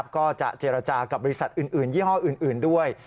ก็จะเจรจากับบริษัทอื่นยี่ห้ออื่นด้วย